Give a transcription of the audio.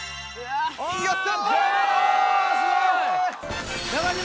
やった！